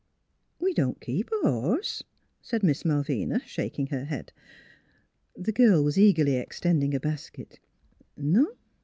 " We don't keep a horse," said Miss Malvina, shaking her head. The girl was eagerly extending a basket. NEIGHBORS 73 " Non?